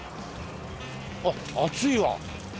あっ熱いわ。